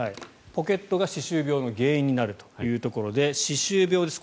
ポケットが歯周病の原因になるということで歯周病です。